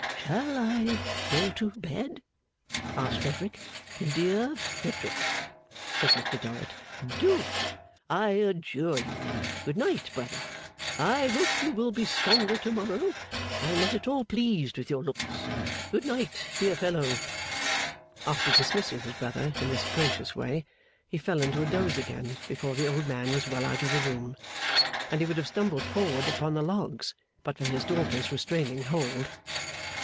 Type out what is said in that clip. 'Shall I go to bed?' asked Frederick. 'Dear Frederick,' said Mr Dorrit, 'do, I adjure you! Good night, brother. I hope you will be stronger to morrow. I am not at all pleased with your looks. Good night, dear fellow.' After dismissing his brother in this gracious way, he fell into a doze again before the old man was well out of the room: and he would have stumbled forward upon the logs, but for his daughter's restraining hold.